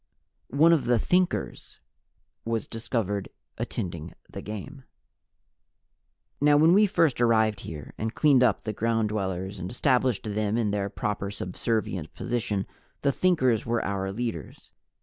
One of the Thinkers was discovered attending the game. Now, when we first arrived here, and cleaned up on the Ground Dwellers and established them in their proper subservient position, the Thinkers were our leaders.